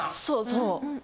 そうそう。